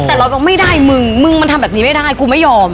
แต่เราบอกไม่ได้มึงมึงมันทำแบบนี้ไม่ได้กูไม่ยอม